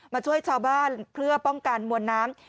มาช่วยชาวบ้านเพื่อป้องกันมวลน้ำ